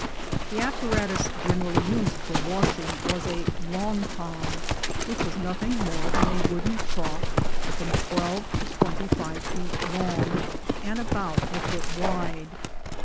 /The apparatus generally used for washing was a "long torn," which was nothing more than a wooden trough from twelve to twenty five feet long, and about a foot wide.